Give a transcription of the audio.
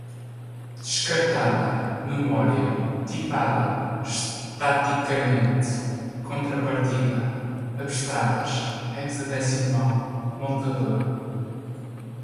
descartada, memória, tipada, estaticamente, contrapartida, abstratas, hexadecimal, montador